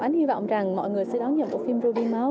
anh hy vọng rằng mọi người sẽ đón nhận bộ phim ruby máu